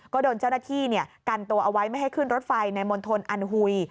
ก็โดนเจ้าหน้าที่กันตัวเอาไว้ไม่ให้ขึ้นรถไฟในมณฑลอันหุย